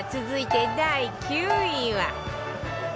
続いて第９位は